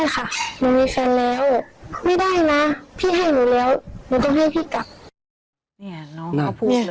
หนูมีแฟนแล้วไม่ได้นะพี่ให้หนูแล้วหนูต้องให้พี่กลับเนี่ยน้อง